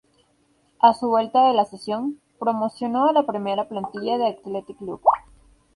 A su vuelta de la cesión, promocionó a la primera plantilla del Athletic Club.